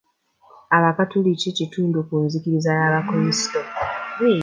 Abakatoliki kitundu ku nzikiriza y'abakulisitu.